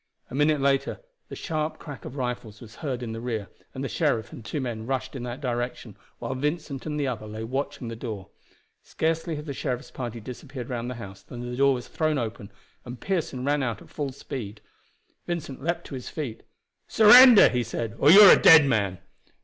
A minute later the sharp crack of rifles was heard in the rear, and the sheriff and two men rushed in that direction, while Vincent and the other lay watching the door. Scarcely had the sheriff's party disappeared round the house than the door was thrown open, and Pearson ran out at full speed. Vincent leaped to his feet. "Surrender," he said, "or you are a dead man."